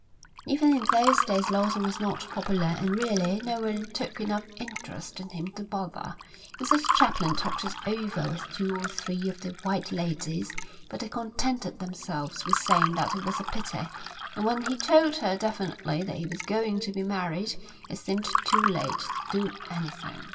Even in those days Lawson was not popular and really no one took enough interest in him to bother. Mrs Chaplin talked it over with two or three of the white ladies, but they contented themselves with saying that it was a pity; and when he told her definitely that he was going to be married it seemed too late to do anything.